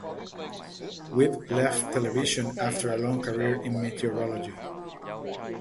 Witte left television after a long career in meteorology.